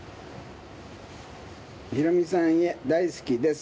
ヒロミさんへ、大好きです。